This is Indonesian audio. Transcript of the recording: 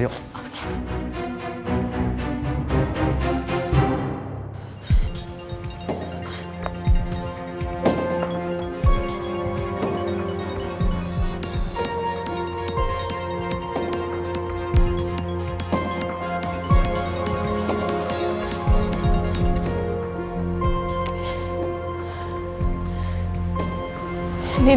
aduh di sini